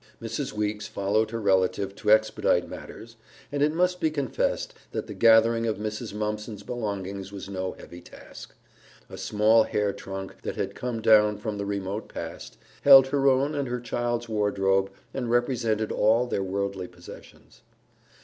Mrs. Weeks followed her relative to expedite matters, and it must be confessed that the gathering of Mrs. Mumpson's belongings was no heavy task. A small hair trunk, that had come down from the remote past, held her own and her child's wardrobe and represented all their worldly possessions. Mr.